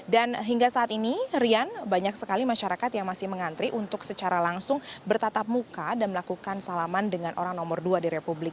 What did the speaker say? dan hingga saat ini rian banyak sekali masyarakat yang masih mengantri untuk secara langsung bertatap muka dan melakukan salaman dengan orang nomor dua di republik